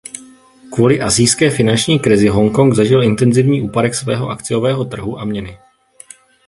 Kvůli Asijské finanční krizi Hongkong zažil intenzivní úpadek svého akciového trhu a měny.